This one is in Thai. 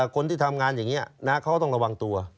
คนที่ทำงานอย่างนี้เขาก็ต้องระวังตัว